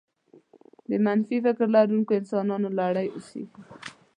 د منفي فكر لرونکو انسانانو لرې اوسېږئ.